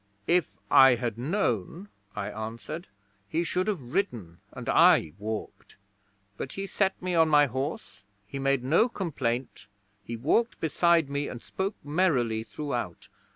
'"If I had known," I answered, "he should have ridden and I walked. But he set me on my horse; he made no complaint; he walked beside me and spoke merrily throughout.